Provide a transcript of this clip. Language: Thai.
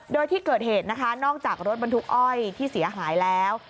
โดยที่เกิดเหตุนะคะนอกจากรถบรรทุกอ้อยที่เสียหายแล้ว